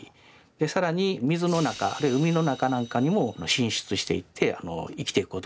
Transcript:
更に水の中あるいは海の中なんかにも進出していって生きていくことができる。